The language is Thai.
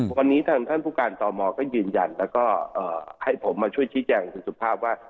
วันนี้ทางท่านผู้การตมก็ยืนยันแล้วก็ให้ผมมาช่วยชี้แจงคุณสุภาพว่า